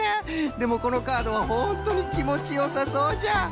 でもこのカードはほんとにきもちよさそうじゃ。